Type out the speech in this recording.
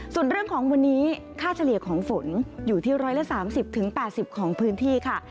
ส่วนเรื่องของวันนี้ค่าเฉลี่ยของฝนอยู่ที่ร้อยละสามสิบถึงแปดสิบของพื้นที่ค่ะ